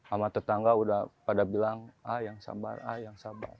ahmad tetangga udah pada bilang ah yang sabar ah yang sabar